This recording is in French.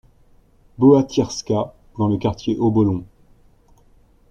Bohatyrska, dans le quartier Obolon.